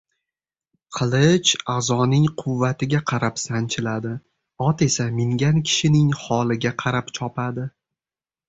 Qilich a’zoning quvvatiga qarab sanchiladi, ot esa mingan kishining holiga qarab chopadi.